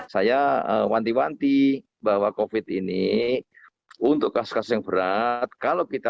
saya wanti wanti bahwa covid ini untuk kasus kasus yang berat kalau kita